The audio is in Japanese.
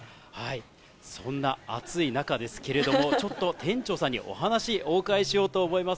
そんなあつい中ですけれども、ちょっと店長さんにお話お伺いしようと思います。